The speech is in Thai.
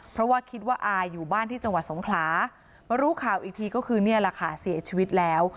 เพราะว่าคิดว่าอายอยู่บ้านที่จังหวัดสงขลามารู้ข่าวอีกทีก็คือนี่แหละค่ะเสียชีวิตแล้ว